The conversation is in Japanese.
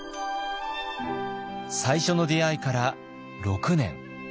最初の出会いから６年。